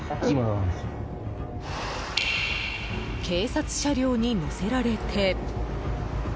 警察車両に乗せられて。